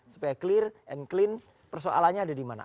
supaya clear and clean persoalannya ada di mana